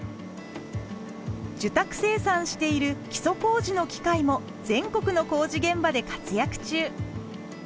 受託生産している基礎工事の機械も全国の工事現場で活躍中。